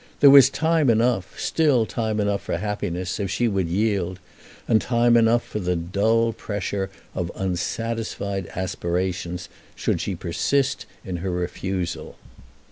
There was time enough, still time enough for happiness if she would yield; and time enough for the dull pressure of unsatisfied aspirations should she persist in her refusal.